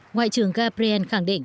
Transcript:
ngoại trưởng gabriel khẳng định